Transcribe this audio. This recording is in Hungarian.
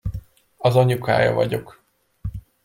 Az anyukája vagyok.